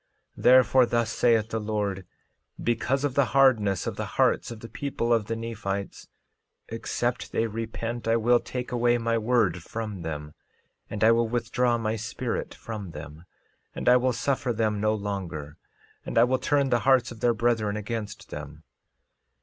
13:8 Therefore, thus saith the Lord: Because of the hardness of the hearts of the people of the Nephites, except they repent I will take away my word from them, and I will withdraw my Spirit from them, and I will suffer them no longer, and I will turn the hearts of their brethren against them.